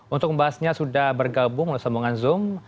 untuk membahasnya sudah bergabung oleh sembongan zoom